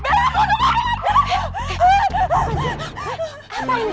bella aku mau pergi